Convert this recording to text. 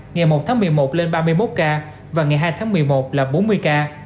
ngày một tháng một mươi một lên ba mươi một ca và ngày hai tháng một mươi một là bốn mươi ca